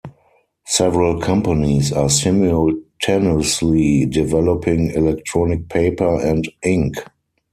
Several companies are simultaneously developing electronic paper and ink.